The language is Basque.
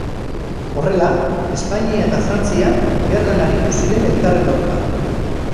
Horrela, Espainia eta Frantzia gerran aritu ziren elkarren aurka.